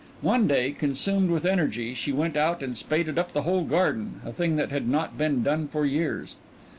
One day, consumed with energy, she went out and spaded up the whole garden, a thing that had not been done for years.